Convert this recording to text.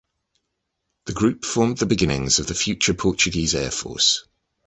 The group formed the beginnings of the future Portuguese Air Force.